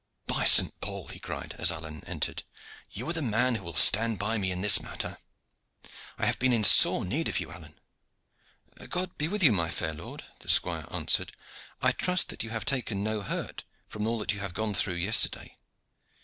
"By Saint Paul!" he cried, as Alleyne entered, "you are the man who will stand by me in this matter. I have been in sore need of you, Alleyne." "God be with you, my fair lord!" the squire answered. "I trust that you have taken no hurt from all that you have gone through yesterday."